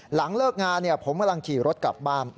หลังเลิกงานผมกำลังขี่รถกลับบ้าน